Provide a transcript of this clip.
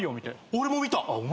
俺も見た。